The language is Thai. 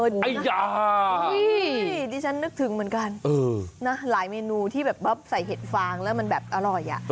นี่ดิฉันนึกถึงเหมือนกันหลายเมนูที่แบบว่าใส่เห็ดฟางแล้วมันแบบอร่อย